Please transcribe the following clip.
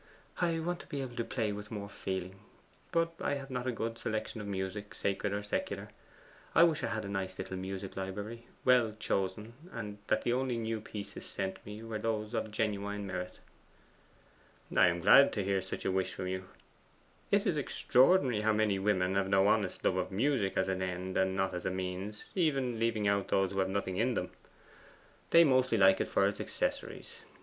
'I want to be able to play with more feeling. But I have not a good selection of music, sacred or secular. I wish I had a nice little music library well chosen, and that the only new pieces sent me were those of genuine merit.' 'I am glad to hear such a wish from you. It is extraordinary how many women have no honest love of music as an end and not as a means, even leaving out those who have nothing in them. They mostly like it for its accessories.